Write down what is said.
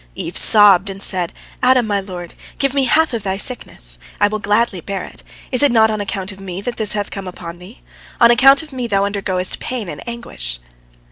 Eve sobbed, and said, "Adam, my lord, give me the half of thy sickness, I will gladly bear it. Is it not on account of me that this hath come upon thee? On account of me thou undergoest pain and anguish."